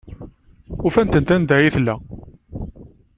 Ufant-d anda ay tella.